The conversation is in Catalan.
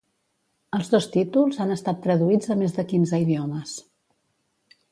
Els dos títols han estat traduïts a més de quinze idiomes.